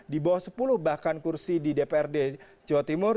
di bawah sepuluh bahkan kursi di dprd jawa timur